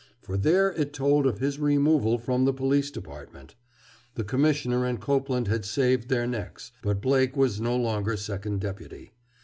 For there it told of his removal from the Police Department. The Commissioner and Copeland had saved their necks, but Blake was no longer Second Deputy.